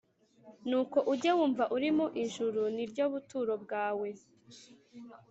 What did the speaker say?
nuko ujye wumva uri mu ijuru ni ryo buturo bwawe,